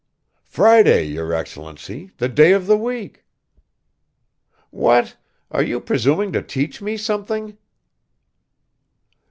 "Friday, your Excellency, the day of the week." "What, are you presuming to teach me something?"